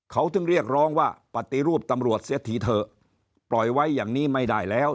เขาถึงเรียกร้องว่าปฏิรูปตำรวจเสียทีเถอะปล่อยไว้อย่างนี้ไม่ได้แล้ว